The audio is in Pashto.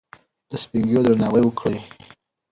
د سپین ږیرو درناوی وکړئ.